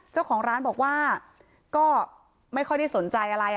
เจ้าของร้านบอกว่าก็ไม่ค่อยได้สนใจอะไร